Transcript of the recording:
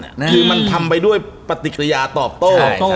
คือมันทำไปด้วยปฏิกิริยาตอบโต้